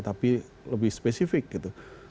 tapi lebih spesifik gitu